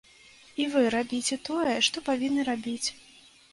І вы рабіце тое, што павінны рабіць.